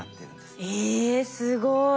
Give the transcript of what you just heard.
えすごい。